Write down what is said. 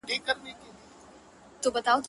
نه مي قسمت- نه مي سبا پر ژبه زېرئ لري-